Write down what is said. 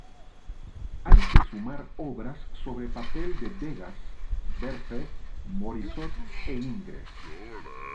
Hay que sumar obras sobre papel de Degas, Berthe Morisot e Ingres.